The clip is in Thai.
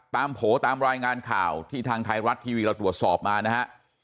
โผล่ตามรายงานข่าวที่ทางไทยรัฐทีวีเราตรวจสอบมานะฮะ